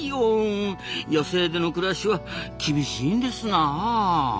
野生での暮らしは厳しいんですなあ。